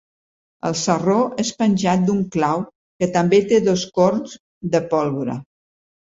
El sarró és penjat d'un clau que també té dos corns de pólvora.